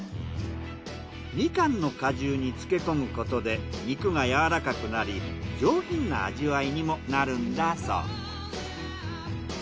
みかんの果汁に漬け込むことで肉がやわらかくなり上品な味わいにもなるんだそう。